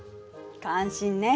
感心ね。